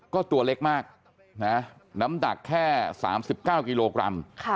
ก็ตัวเล็กมากนะน้ำหนักแค่๓๙กิโลกรัม